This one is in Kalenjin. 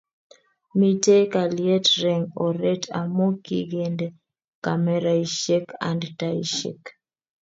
Mitei kalyet reng oret amu kikende kameraishek and taishek